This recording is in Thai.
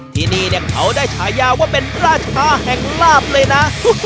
ที่นี่เขาได้ฉายาว่าเป็นราชาแห่งลาบเลยนะ